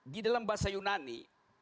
di dalam bahasa yunani